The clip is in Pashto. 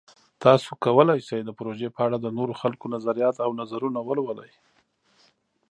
تاسو کولی شئ د پروژې په اړه د نورو خلکو نظریات او نظرونه ولولئ.